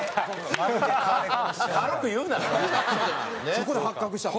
そこで発覚したの？